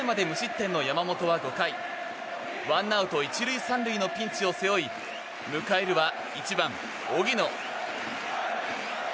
４回まで無失点の山本は５回ワンアウト１塁３塁のピンチを背負い迎えるは１番、荻野。